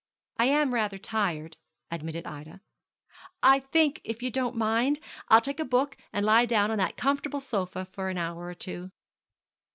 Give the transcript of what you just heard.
'I am rather tired,' admitted Ida; 'I think, if you don't mind, I'll take a book and lie down on that comfortable sofa for an hour or two.'